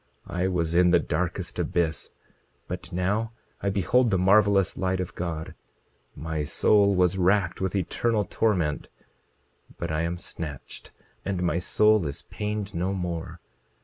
I was in the darkest abyss; but now I behold the marvelous light of God. My soul was racked with eternal torment; but I am snatched, and my soul is pained no more.